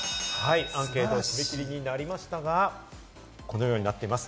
アンケート締め切りになりましたが、このようになっています。